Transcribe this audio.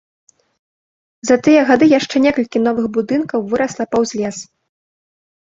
За тыя гады яшчэ некалькі новых будынкаў вырасла паўз лес.